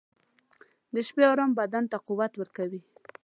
• د شپې ارام بدن ته قوت ورکوي.